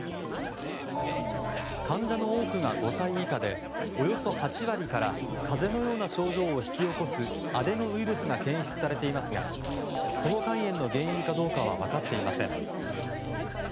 患者の多くが５歳以下でおよそ８割から風邪のような症状を引き起こすアデノウイルスが検出されていますがこの肝炎の原因かどうかは分かっていません。